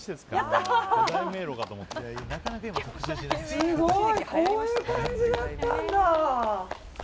すごい、こういう感じだったんだ。